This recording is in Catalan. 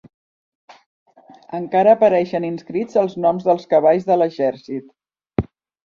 Encara apareixien inscrits els noms dels cavalls de l'exèrcit.